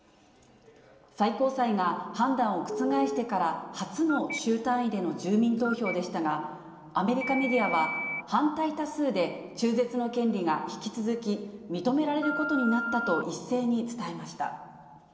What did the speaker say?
最高裁が判断を覆してから初の州単位での住民投票でしたが、アメリカメディアは、反対多数で、中絶の権利が引き続き認められることになったと一斉に伝えました。